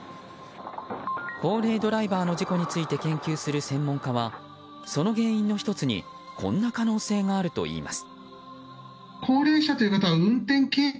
高齢ドライバーの事故について研究する専門家はその原因の１つにこんな可能性があるといいます。